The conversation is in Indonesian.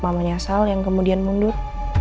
mama nyasal yang kemudian mundur